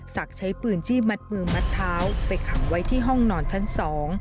ใช้ปืนจี้มัดมือมัดเท้าไปขังไว้ที่ห้องนอนชั้นสอง